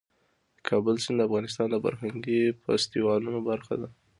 د کابل سیند د افغانستان د فرهنګي فستیوالونو برخه ده.